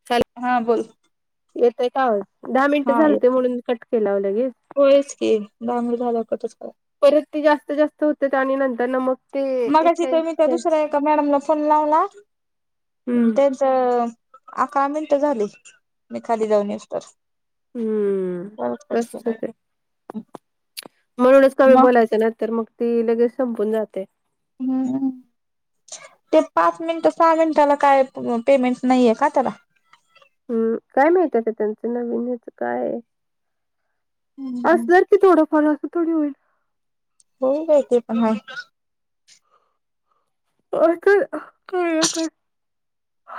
Hello हा बोल येतय का आवाज दहा मिनटं हा झालत येत म्हणून कट केलाव लगे होयच की दहा मिनिट झाल्यावर कटच करा. परत ते जास्त जास्त होते आणि नंतर न मग ते मगाशी एकशे इथे मी त्या ऐंशी दुसऱ्या एका मॅडमला फोन लावला अन् हम्म च् अकरा मिनिटं झाली मी खाली जाऊन येस तवर. हम्म तसच होतंय. [unintelligible] म्हणूनच कमी मग? बोलायचं नाहीत तर मग ती लगेच संपून जाते. हम ते पाच मिनिट सहा मिनिटाला काय पेमेंट नाहीये का त्याला? हम्म काय माहिती आता त्यांचं नवीन हेच काय हम्म असणार थोडफार अस थोडी होईल. हो हो ते पण हाय. काय काय थोडं फार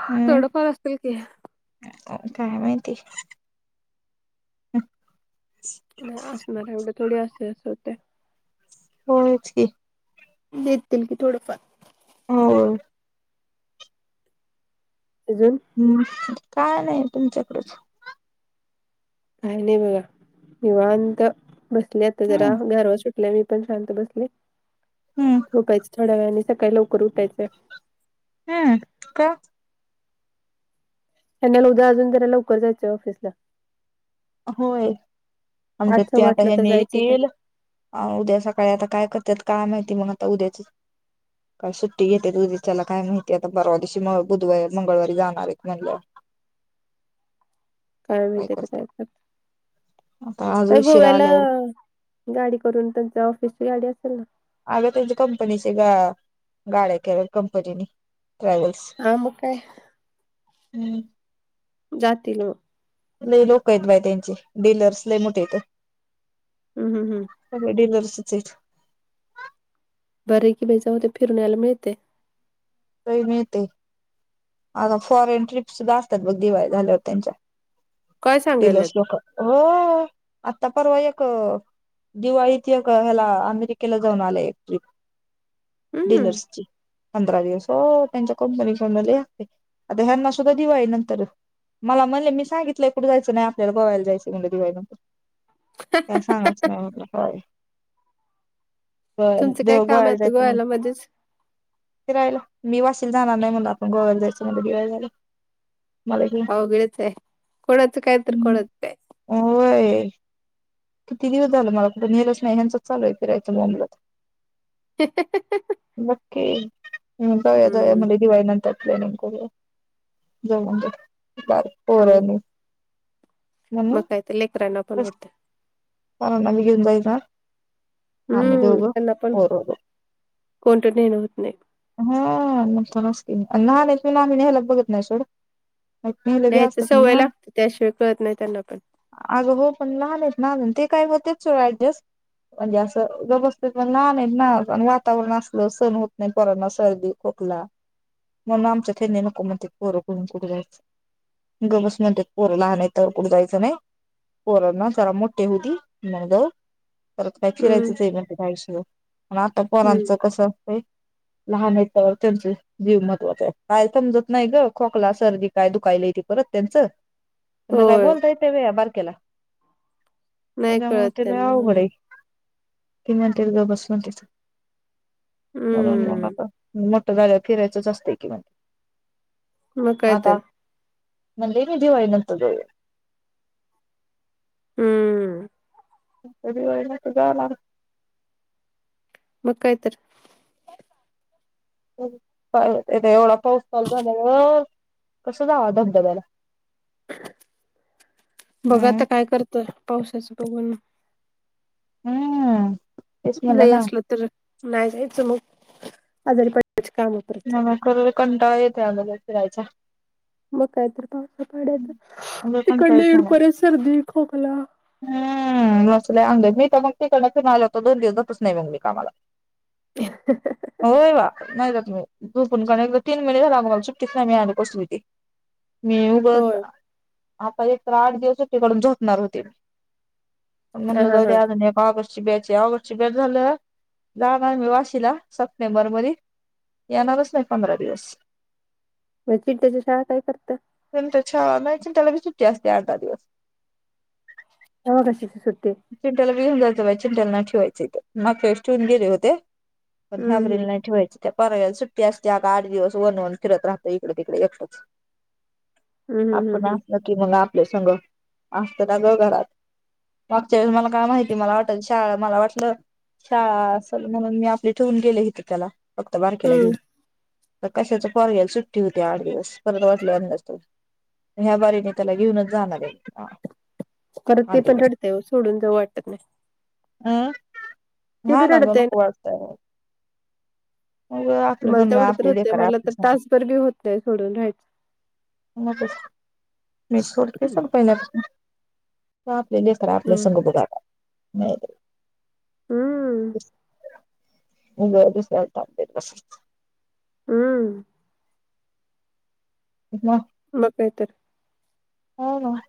हम्म थोडंफार असतील की. काय माहिती [inaudible] नाही असणार आहे एवढं थोडी असे अस होतय. हो च की. देतील की थोडंफार. होय. अजून हम्म काय नाही तुमच्याकडच. काय नाही बघा निवांत बसले आता जरा हम्म घरवा सुट. आप मी पण शांत बसले हम्म झोपायचे थोड्या वेळाने सकाळी लवकर उठायचे. हम्म का. त्यांनाला उद्या अजून जरा लवकर जायचं ऑफिसला. होय आज आठ सव्वा त्याता आठला हे तर न जायचंय ये येल. त्यांना. अ उद्या सकाळी आता काय करतात काय माहिती मग आता उद्याच. काय सुट्टी घेते त उदीच्याला काय माहितीय आता परवा दिवशी म बुधवारी मंगळवारी जाणार आहेत म्हणल्या. [inaudible] काय माहिते ते काय कर. आता आज काय उशिरा गोव्याला आल्यावर गाडी करून त्यांच्या ऑफिसची गाडी असेल ना. अगं त्यांच्या कंपनीची ग गाड्या केल्यात कंपनीनी ट्रॅव्हल्स. आ मग काय हम. जातील ओ नाही लोक आहेतेत बाय त्यांचे डीललर्स लय मोठ येत. हम हम हम. सगळे डिर्लस च आहेत. बरे आहे की बै जाऊदे फिरून यायला मिळते. काही मी ते. आता फॉरेन ट्रिपस सुद्धा असतात बग दिवाळी झाल्यावर त्यांच्या काय डिर्लस सांगायल्यात लोक हो आत्ता परवा एक दिवाळीत ह्याला अमेरिकेला जाऊन आलाय एक ट्रिप. हम्म डीलर्स ची पंधरा दिवस हो त्यांच्या कंपनी कडन लय आता ह्याना सुद्धा दिवाळी नंतर मला म्हणले मी सांगितलं कुंठ जायचं नाही आपल्याला गोवायला जायं म्हलं दिवायनंतर काय सांगच नाही काय. ब तुमचं काय देव काम आहे गळाला आता जाय त मग. गोव्याला मध्येच तेि राहिला मी वाशील जाणार नाही म्हण आपण गोवाला जायचं म्ह दिवाळी ला जायला. अवघडच आहे कोणाचं काय तर हम्म कोणाचं काय. होय. किती दिवस झालं मलाुठ नेच नाही हचं चालय फिरायचं म मुलंत. ह ह ह. बघ की हम् जाऊया जाऊया हम्म म्हली. दिवाळी नंतर प्लॅनिंग करूया जाऊनऊ बर पोरांनी. मग कायत लेकरांना पण होत. कारण मलगूनईना आम्ही हम्म दोघे त्यांना पण पोर कोणतं नेण होत नाही. हा न नसकी लहान आहे तला आम्ही निहायला बघत नाही सोड. नाही नेलं बी नाही्यायच असतं पण सवय लागत त्याशिवाय कळत नाही त्यांना पण. अग हो पण लहान आहेत नाून ते काय होतेच सोड ऍडजस्ट. म्हणजे असं जबरस्तीतण लहान आहेतत नाण वातावरण असलं सण होत नाहीत. कोरोना सर्दी खोकला म्हणून आमच्या हेणी नको म्हण पोरं कुून कुठे जायचं. गबस म्हणतात पोरं लहान नाही तर कुठं जायचं नाही. पोर न सारा मोठे होऊती मग जाऊ. परत काय हम्म फिरायचंच आहे म्हण आयुष्य आता हम्म पोरांचं कसं असतं. लहान य त्यावर त्यांचे. जीव महत्वाचा आहे काय समजत नाही ग खोकला सर्दी काय दुखायला त परत त्यांचं. त्यांना काय होय बोलता येत ते वेया बारकेला. नाही त्याच्यामु कळत तिला त्यांना अवघड हम्म कि म्हणते ज बसलं तिचं. म्हणून मग आता हम्म मोठ जाग्यावर फिरायचं जास्तय कि म्हण मग काय तर आता मणेन दिवाळी नत हम्म. त व त झाला. मुखद्र. एवढा पाऊस चालू झालावर कसं जाव धबध्याला बघा हम्म आता काय करतोय पावसाचं बघण. हम्म तेच म्हणलं गई ना असलं तर नाही जायचं मग आजारी पडच काम. परत म खरोर कंटाळा येतोय आ फिरायचा मग काहीतरी पावसा पाड्या तर लय कंटाळा तिकड येऊन परे सर्दी खोकला. हम् मसले अंग मी तर मग ते करच आल होतो दोन दिवस जातच नाही मग म कामाला होय वा नाही का तु्ही झपन का तीन मिनिट रावाल चुटकीत नाही मी आले कसली त मी उगं. होय आता एक तर आठ दिवस तिकडून झोपणार होते. हा हा मुणव्या हा या बाप. शिबची ऑगस्ट शि बेर झालं जाणार मी वाशीला सप्टेंबर मध्ये येणारच नाही पंधरा दिवस म चिड्ट्याच्या शाळा काय करत. प त्या छ नाही त्याला बी सुट्टी असते अठ दहा दिवस नकाशच सतेे. चिंट्याला बघन जायं बाज चिंट्याला ना ठेवायचंयथ मग फेशटेवन गेले होते. पण हम्म हम्म ह्याब्रिल नाही ठेवायच. त्या परव्याला सुट्टी असते आ आठ दिवस वनवन फिरत राहतं इकडे तिकडे एकटच. हम्म हम्म आपण हम्म असलं की मग आपले संग असत ना ग घरात मागच्या वेळेस मला काय माहिती मला वाटत शाळा मला वाटलं. छ असल म्हणून मी आपले ठेवून गेले इथ त्याला फक्त बारकेला हम्म घेऊन. कशाच पर्यायल सुट्टी होती आठ दिवस परत वाटल्या अंदाज. ह्या बारीने त्याला घेऊनच जाणार आहे. करत ते आठ पण दिवस रडत सोडून जाव वाटत नाही. हम् ते हा बी ना दोन रडतय ख वत आहे. तु म्हाला म्हणून तेवढंत आपली होतय लेकर मला आपली तर संग तासभर बी होत नाही सोडून राहायचं. मी सोडते हम्म सग पहिल्या आपलेले तर आपलेसग उ बघा नाही. हम्म मजसता. हम्म. ह. ब बतर. हो का?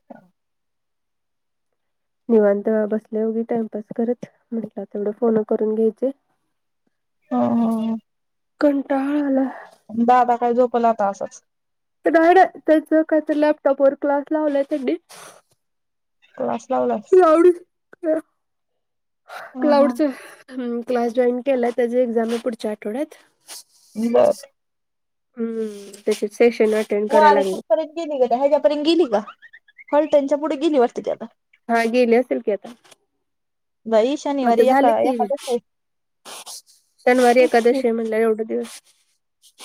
निवांत बसल्या गी टाइमपास करत म्हटलं तेवढं फोन करून घ्यायचे. ह ह. कंटाळला. दादा काय झोपला आता असंच. तरड त्याच काय तर लॅपटॉपवर क्लास लावला त्या कश लावलस. डी हा हा. क्लाउडचे क्लास जॉईन केला त्याची एक्झाम पुढच्या आठवड्यात बर. हम्म त्या सेश ना. व अरे कुठपर्यंत गेली ग दहाज्यापर्यंत गेली ग हल्ट्यांच्या पुढे गेली वाटती ते आता हा गेले असेल की आता बई शनिवारी एका एकदास आहे शनवारी तेच की एकादशी मला एढ दिवस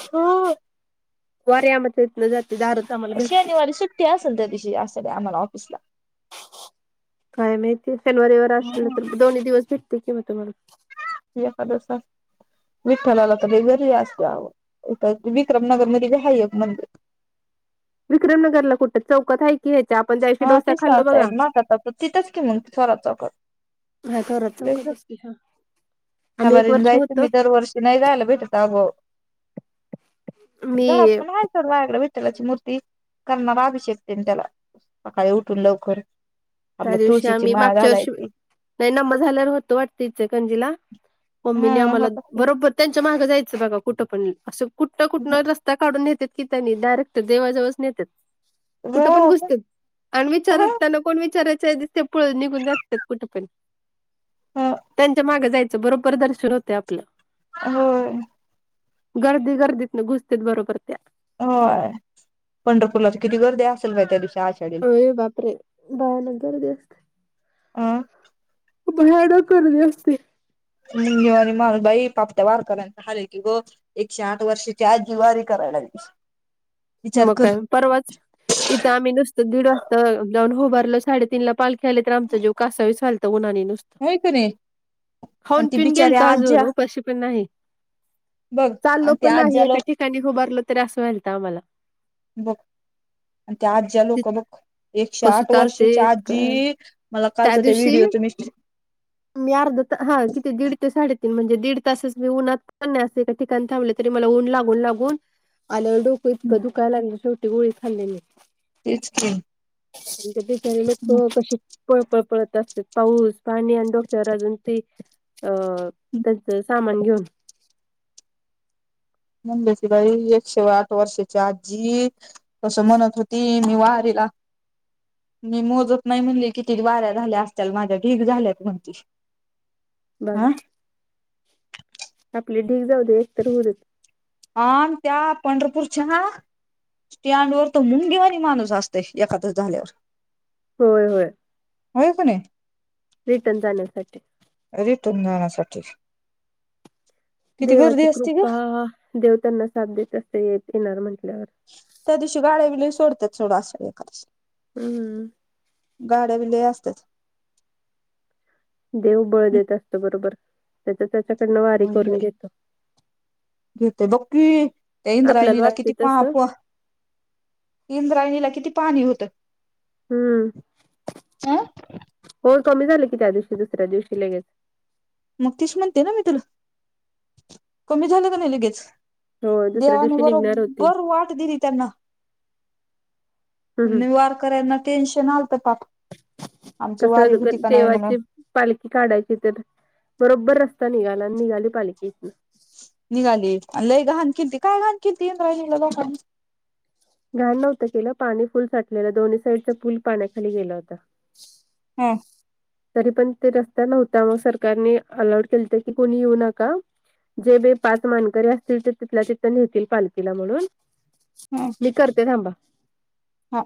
हा. वारी आमध्ये येत न जाते दार शनिवारी सुट्टी असेल तर त्या दिशी असा आम्हाला ऑफिसला काय माहितीे शनिवारी व असलं हा. तर दोन्ही दिवस भेटते किंवा तुम्हाला ते खदसा विठ्ठलाला तर बेगर असल्यावं विक्रमनगरमध्येहाय्य एक मंदिर विक्रमनगरला कुठं चौकात आहे आपण त्या दिवशी हा डोसा तीच खाल्लो नताय बघा मा काता तिथंच की म्हण थोरा चौकत थोरात चौकात च की ह बरंद जायत म दर वर्षन नाही यला भेटत अग घरात मी पण हायच बायाकडे विठ्ठलाची मूर्ती करणार आभश्यकते त्याला सकाळी उठून लवकर त्या आपल्या दिवशी तुळशीची आम्ही माळ मागच्या वर्षी घालायची नाही न्मा झाल्यावर होतं वाटत इचलकजीला हा मम्मीने आम्हाला होतात की बरोबर त्यांच्या मागं जायचं बघा कुठं पण असं कुठनं कुठं रस्त ता काढून नेत की त्यांनी डायरेक्ट देेवाजेवच नेतात कुठं पण होय घुसत आणि विचारत त्यांना कोण वि दि पळून निघून जातात कुठे पण त्यांच्या मागे त्या बरोबर दर्शन होते आपलं होय गर्दी गर्दीत ना घुसतेेत बरोबर त्या हो पंढरपूरलाच किती गर्दी असेल माहि त्या दिवशी आषाढी बापरे बायान गरदी असते अं भयानक गर्दी असते नि ग नि म बाई पाप्ट्या वारकऱ्यांचा हाल हे की गो एकशे आठ वर्षाची आजी वारी करायला लागली विचार मग कर काय परवाच इथं आम्ही नुस दीड वाजता जाऊन होभारलं साडेतीन ला पालख्या आले तर आमचा जीव कासावी चालं उन्हानी होय की नाही आणि खाऊन ती पिऊन बिचारी गेल तर अजून आज्या उपाशी पण नाही बघ चाललो आणि ती पण नाही आज्याला एका ठिकाणी उबारलं तरी असं वलत आम्हाला बघ आणि त्या आज्या लोक बघ एकशे कसं आठ चालते वर्षाच्या आजी काय मला त्या कालचा ते दिवशी व्हिडिओ तुम्ही मी अर्ध हा किती दीड ते साडेतीन म्हणजे दीड तासच मी उन्हात कन असे विक थांबलं तरी मला ऊन लागून लागून आल डोकं क दुकायला लागल शेवटी गोळी खाल्ली म तेच की बिचारी लोक कशी पळपळपळत असत पाऊस पाणी आणि डोक्यावर अजून ते अ त्यांचं सामान घेऊन म्हणंद्याची बाई एक शेवा आठ वर्षाची आजी कसं म्हणत होती म मवारला [unintelligible] मी मोजत नाही म्हणली किती वाऱ्या झाल्या असतल माझ्या ठीक झाल्यात म्हणती. बघा. हा आपली ढीग जाऊदे एक तर होऊदे. ह त्या पंढरपूरच्या ना स्टँड वर तर मुंगी वाणी माणूस असते एकादस झाल्यावर होय होय होय कणी रिटर्न जाण्यासाठी. रिटर्न जाण्यासाठी. किती गर्दी देवाची असती ग कृपा देवतांना साथ देत असेल येणार म्हंटल्यावर. त्या दिवशी गाड्या भी लई सोडतात सोडं असा. हम्म. गाड्या बी लई असत्यात. देव बळ देत असत बरोबर त्याच्या- त्याच्याकडनं वारी करून घेत घेत बघ की ते आपल्याला इंद्रायणीला वाटतंय किती पहा- तसं पोहा इंद्रायणीला किती पाणी होतं. हम्म अ होय कमी झालं की त्या दिवशी दुसऱ्या दिवशी लगेच. मग तीश म्हणते ना मी तुला कमी झालं का नाही लगेच. होय दुसऱ्या देवाने दिवशी निघणार होती बरोबर वाट दिली त्यांना हम्म म्हणे वारकरायांना टेन्शन आलत पाप आमची कसं वारी ग- होती का नाही म्हणून. देवाची पालखी काढायची तर बरोबर रस्ता निघाला आणि निघाली पालखी इथनं. निघाली आणि लय घाण केलती काय घाण केलथी इंद्रायणीला लोकांने. घाण नव्हतं केलं पाणी फुल साठलेलं दोन्ही साईडचा पूल पाण्याखाली गेला होता. हा. तरी पण ते रस्ता नव्हता मग सरकारने अलर्ट केलंत की कोणी येऊ नका जे बे पाच मानकरी असतील ते तिथल्या तिथं नेतील पालखीला म्हणून ह मी करते थांबा. हा.